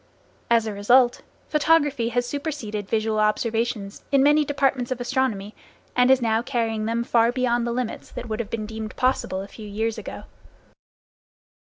As a result, photography has superseded visual observations, in many departments of astronomy, and is now carrying them far beyond the limits that would have been deemed possible a few years ago.